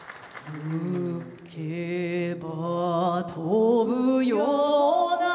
「吹けば飛ぶような」